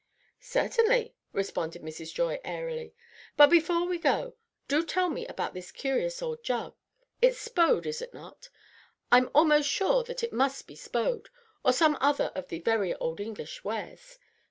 "Certainly," responded Mrs. Joy, airily. "But before we go do tell me about this curious old jug. It's Spode, is it not? I'm almost sure that it must be Spode, or some other of the very old English wares.